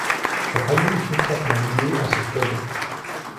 Sa famille est étroitement lié à ce club.